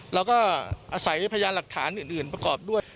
แล้วก็อาศัยพยานหลักฐานอื่นประกอบด้วย